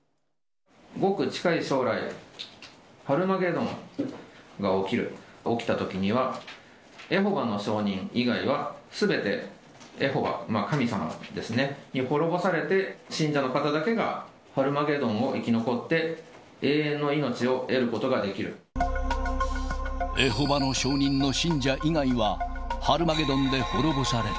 ごく近い将来、ハルマゲドンが起きる、起きたときには、エホバの証人以外はすべてエホバ、神様ですね、に滅ぼされて、信者の方だけがハルマゲドンを生き残って、エホバの証人の信者以外は、ハルマゲドンで滅ぼされる。